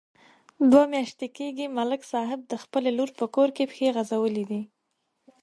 دوه میاشتې کېږي، ملک صاحب د خپلې لور په کور کې پښې غځولې دي.